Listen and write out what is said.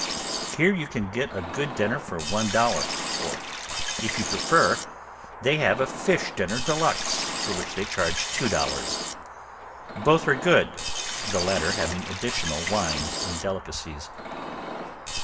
Here you can get a good dinner for one dollar, or if you prefer it they have a Fish Dinner de Luxe for which they charge two dollars. Both are good, the latter having additional wines and delicacies.